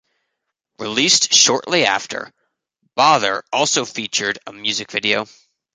Released shortly after, "Bother" also featured a music video.